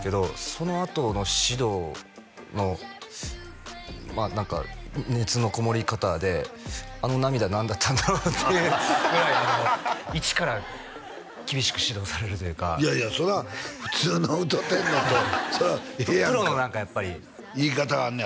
そのあとの指導の何か熱のこもり方であの涙何だったんだろう？っていうぐらい一から厳しく指導されるというかいやいやそれは普通に歌うてんのとそれはええやんかプロの何かやっぱり言い方があんね